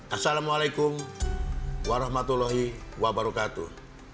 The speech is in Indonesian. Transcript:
assalamu'alaikum warahmatullahi wabarakatuh